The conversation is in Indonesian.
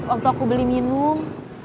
waktu aku beli minum